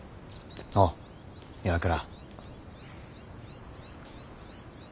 おう岩倉。